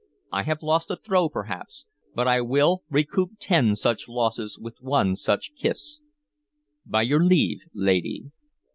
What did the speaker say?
I have lost a throw, perhaps, but I will recoup ten such losses with one such kiss. By your leave, lady."